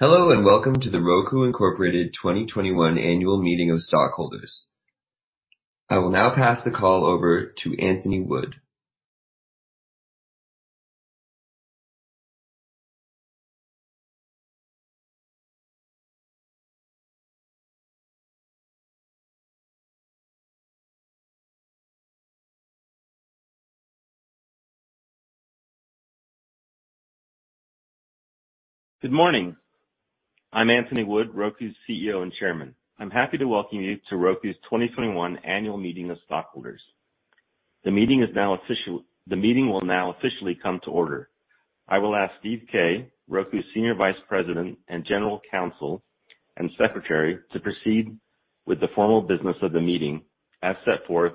Hello, and welcome to the Roku Incorporated 2021 Annual Meeting of Stockholders. I will now pass the call over to Anthony Wood. Good morning. I'm Anthony Wood, Roku's CEO and Chairman. I'm happy to welcome you to Roku's 2021 annual meeting of stockholders. The meeting will now officially come to order. I will ask Steve Kay, Roku's Senior Vice President and General Counsel and Secretary, to proceed with the formal business of the meeting as set forth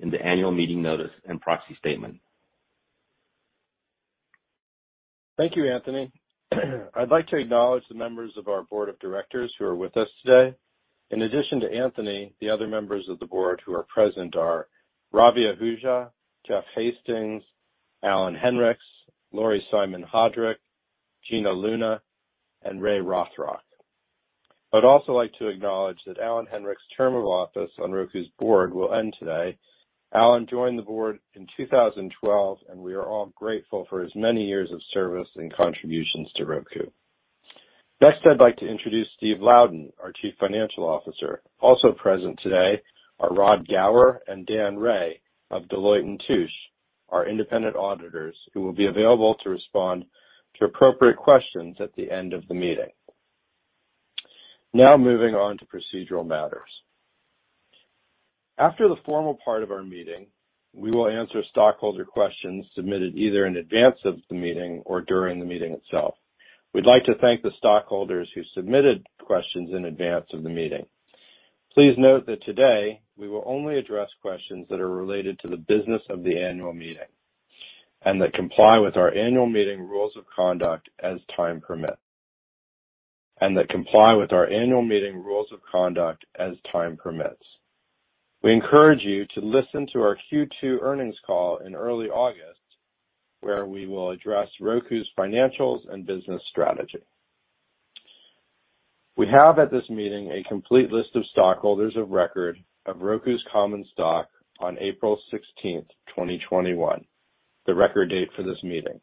in the Annual Meeting Notice and Proxy statement. Thank you, Anthony. I'd like to acknowledge the members of our Board of Directors who are with us today. In addition to Anthony, the other members of the Board who are present are: Ravi Ahuja, Jeffrey Hastings, Alan Henricks, Laurie Simon Hodrick, Gina Luna, and Ray Rothrock. I'd also like to acknowledge that Alan Henricks' term of office on Roku's Board will end today. Alan joined the board in 2012, and we are all grateful for his many years of service and contributions to Roku. Next, I'd like to introduce Steve Louden, our Chief Financial Officer. Also present today are Rod Gauer and Dan Ray of Deloitte & Touche, our independent auditors, who will be available to respond to appropriate questions at the end of the meeting. Now moving on to procedural matters. After the formal part of our meeting, we will answer stockholder questions submitted either in advance of the meeting or during the meeting itself. We'd like to thank the stockholders who submitted questions in advance of the meeting. Please note that today, we will only address questions that are related to the business of the annual meeting, and that comply with our annual meeting rules of conduct as time permits. We encourage you to listen to our Q2 earnings call in early August, where we will address Roku's financials and business strategy. We have at this meeting a complete list of stockholders of record of Roku's common stock on April 16th, 2021, the record date for this meeting.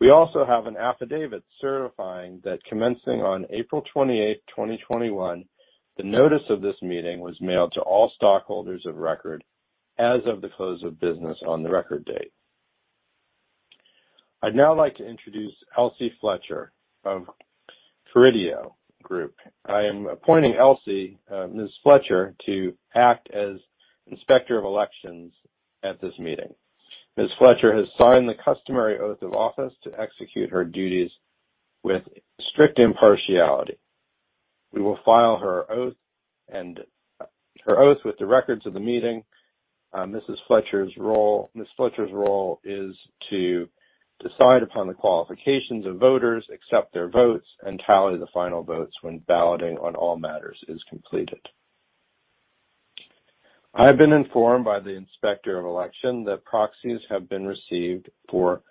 We also have an affidavit certifying that commencing on April 28th, 2021, the notice of this meeting was mailed to all stockholders of record as of the close of business on the record date. I'd now like to introduce [Elsie Fletcher of Peridio Group]. I am appointing Elsie, Ms. Fletcher, to act as Inspector of Elections at this meeting. Ms. Fletcher has signed the customary oath of office to execute her duties with strict impartiality. We will file her oath with the records of the meeting. Ms. Fletcher's role is to decide upon the qualifications of voters, accept their votes, and tally the final votes when balloting on all matters is completed. I've been informed by the Inspector of Election that proxies have been received for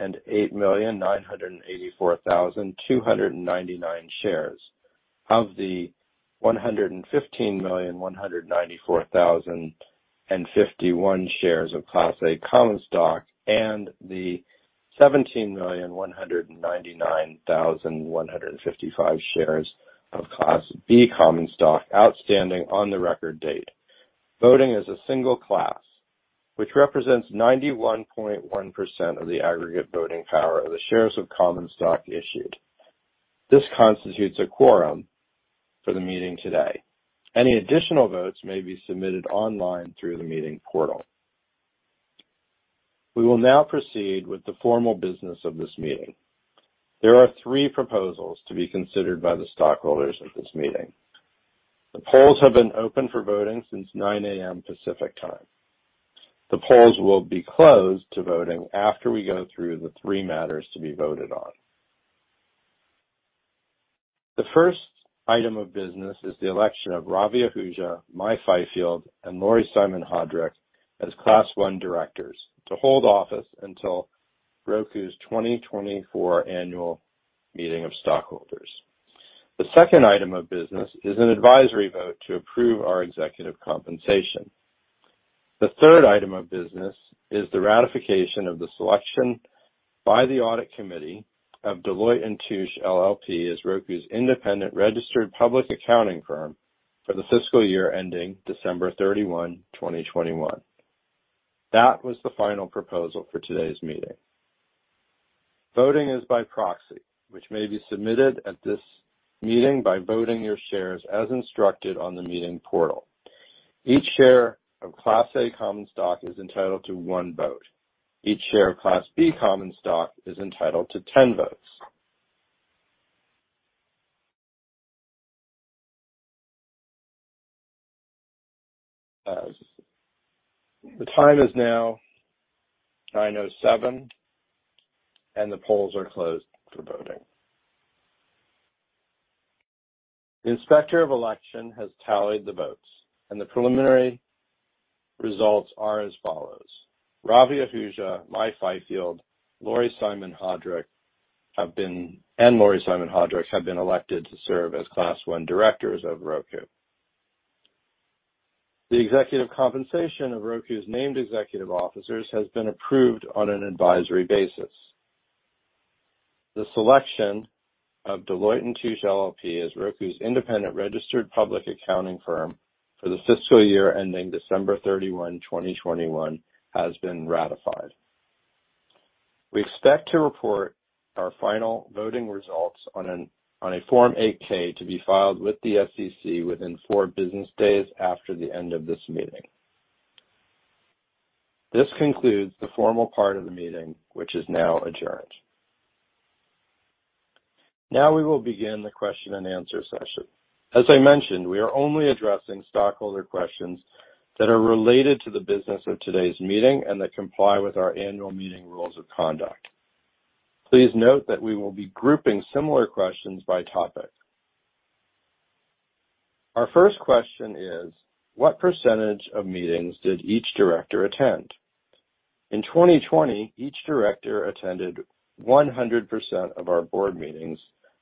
108,984,299 shares of the 115,194,051 shares of Class A common stock and the 17,199,155 shares of Class B common stock outstanding on the record date. Voting is a single class, which represents 91.1% of the aggregate voting power of the shares of common stock issued. This constitutes a quorum for the meeting today. Any additional votes may be submitted online through the meeting portal. We will now proceed with the formal business of this meeting. There are three proposals to be considered by the stockholders at this meeting. The polls have been open for voting since 9:00 A.M. Pacific Time. The polls will be closed to voting after we go through the 3 matters to be voted on. The first item of business is the election of Ravi Ahuja, Mai Fyfield, and Laurie Simon Hodrick as Class I directors to hold office until Roku's 2024 annual meeting of stockholders. The second item of business is an advisory vote to approve our executive compensation. The third item of business is the ratification of the selection by the Audit Committee of Deloitte & Touche LLP as Roku's independent registered public accounting firm for the fiscal year ending December 31, 2021. That was the final proposal for today's meeting. Voting is by proxy, which may be submitted at this meeting by voting your shares as instructed on the meeting portal. Each share of Class A common stock is entitled to 1 vote. Each share of Class B common stock is entitled to 10 votes. The time is now 9:07 A.M., and the polls are closed for voting. The Inspector of Election has tallied the votes, and the preliminary results are as follows: Ravi Ahuja, Mai Fyfield, and Laurie Simon Hodrick have been elected to serve as Class I Directors of Roku. The executive compensation of Roku's named executive officers has been approved on an advisory basis. The selection of Deloitte & Touche LLP as Roku's independent registered public accounting firm for the fiscal year ending December 31, 2021, has been ratified. We expect to report our final voting results on a Form 8-K to be filed with the SEC within four business days after the end of this meeting. This concludes the formal part of the meeting, which is now adjourned. Now we will begin the question-and-answer session. As I mentioned, we are only addressing stockholder questions that are related to the business of today's meeting and that comply with our annual meeting rules of conduct. Please note that we will be grouping similar questions by topic. Our first question is: What percentage of meetings did each director attend? In 2020, each director attended 100% of our Board meetings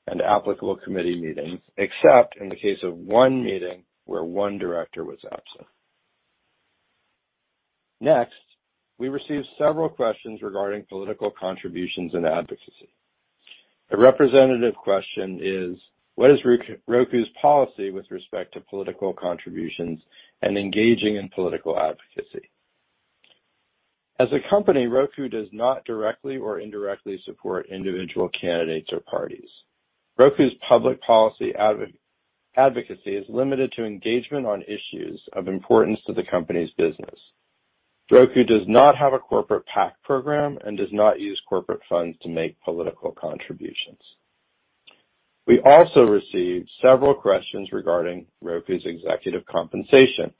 and applicable committee meetings, except in the case of one meeting where one director was absent. Next, we received several questions regarding political contributions and advocacy. A representative question is: What is Roku's policy with respect to political contributions and engaging in political advocacy? As a company, Roku does not directly or indirectly support individual candidates or parties. Roku's public policy advocacy is limited to engagement on issues of importance to the company's business. Roku does not have a corporate PAC program and does not use corporate funds to make political contributions. We also received several questions regarding Roku's executive compensation.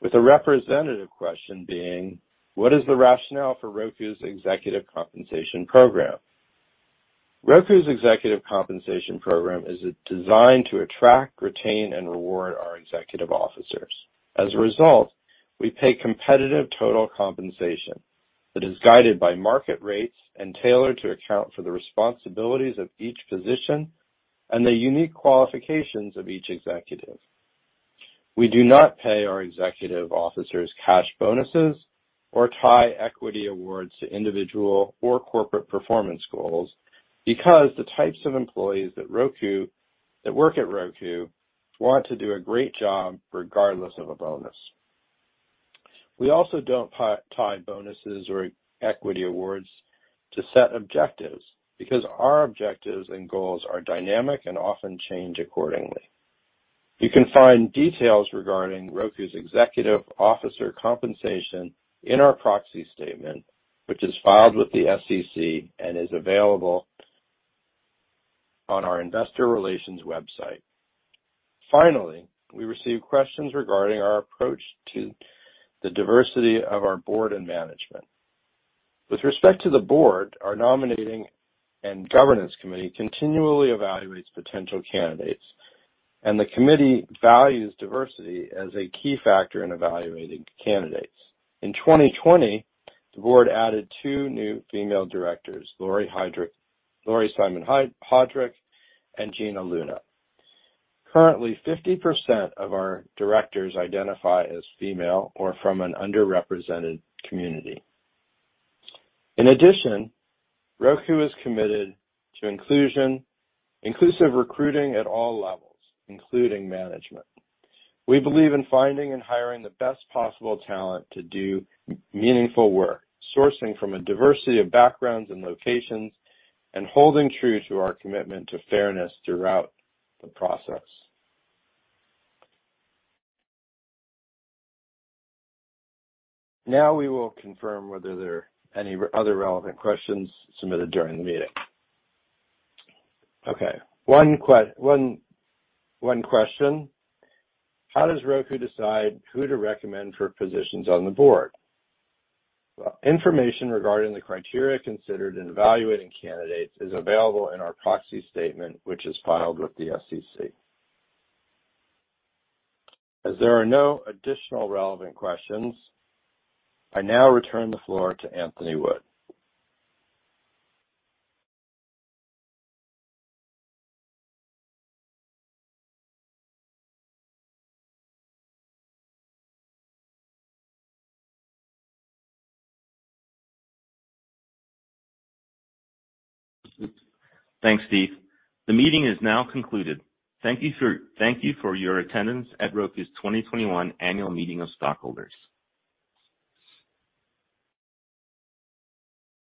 With the representative question being: What is the rationale for Roku's executive compensation program? Roku's executive compensation program is designed to attract, retain, and reward our executive officers. As a result, we pay competitive total compensation that is guided by market rates and tailored to account for the responsibilities of each position and the unique qualifications of each executive. We do not pay our executive officers cash bonuses or tie equity awards to individual or corporate performance goals because the types of employees that work at Roku want to do a great job regardless of a bonus. We also don't tie bonuses or equity awards to set objectives because our objectives and goals are dynamic and often change accordingly. You can find details regarding Roku's executive officer compensation in our Proxy Statement, which is filed with the SEC and is available on our Investor Relations website. Finally, we received questions regarding our approach to the diversity of our Board and management. With respect to the Board, our Nominating and Governance committee continually evaluates potential candidates, and the committee values diversity as a key factor in evaluating candidates. In 2020, the Board added two new female directors, Laurie Simon Hodrick and Gina Luna. Currently, 50% of our directors identify as female or from an underrepresented community. In addition, Roku is committed to inclusive recruiting at all levels, including management. We believe in finding and hiring the best possible talent to do meaningful work, sourcing from a diversity of backgrounds and locations, and holding true to our commitment to fairness throughout the process. Now we will confirm whether there are any other relevant questions submitted during the meeting. Okay. One question. How does Roku decide who to recommend for positions on the Board? Information regarding the criteria considered in evaluating candidates is available in our Proxy Statement, which is filed with the SEC. There are no additional relevant questions, I now return the floor to Anthony Wood. Thanks, Steve. The meeting is now concluded. Thank you for your attendance at Roku's 2021 Annual Meeting of Stockholders.